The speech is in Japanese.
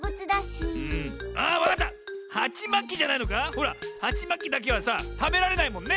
ほらはちまきだけはさたべられないもんね！